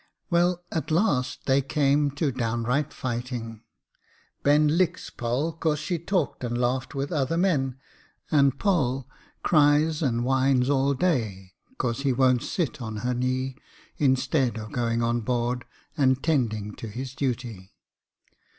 Well, at last they came to downright fighting. Ben licks Poll 'cause she talked and laughed with other men, and Poll cries and whines all day 'cause he won't sit on her knee, instead of going on board and 'tending to his duty.